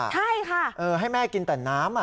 ใช่ค่ะให้แม่กินแต่น้ำ